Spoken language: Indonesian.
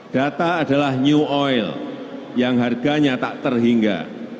data adalah new oil yang harganya tak terhingga